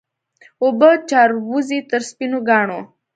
اوبه جاروزي تر سپینو کاڼو